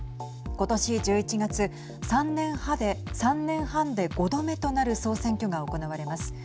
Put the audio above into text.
今年１１月３年半で５度目となる総選挙が行われます。